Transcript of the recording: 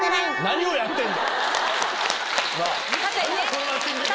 何をやってんだ。